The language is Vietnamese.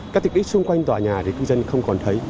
các tiện ích xung quanh tòa nhà thì cư dân không còn thấy